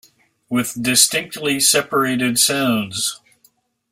With distinctly separated sounds.